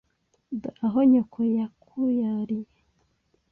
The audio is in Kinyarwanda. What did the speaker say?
“Dore aho nyoko yakuyariye